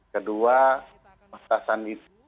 kedua batasan itu